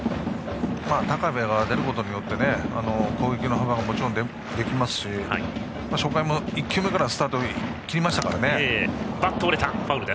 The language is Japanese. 高部が上がることによって攻撃の幅を広げることももちろん、できますし初回も１球目からスタートを切りましたからね。